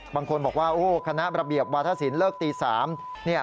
บางคนบอกว่าโอ้คณะระเบียบวาธศิลปเลิกตี๓